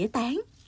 và trồng nhãn xuồng